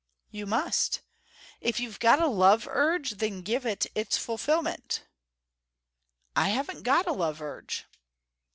"You must. If you've got a love urge, then give it its fulfilment." "I haven't got a love urge."